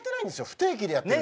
不定期でやってる。